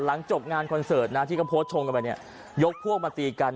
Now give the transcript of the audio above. จบงานคอนเสิร์ตนะที่เขาโพสต์ชงกันไปเนี่ยยกพวกมาตีกัน